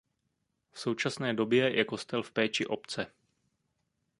V současné době je kostel v péči obce.